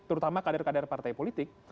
terutama kader kader partai politik